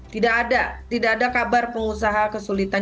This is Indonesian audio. tidak ada tidak ada kabar pengusaha kesulitan